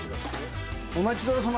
お待ちどおさま。